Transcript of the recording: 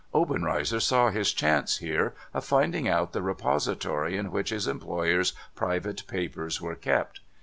Obenreizer saw his chance, here, of finding out the repository in which his employer's private papers were kept.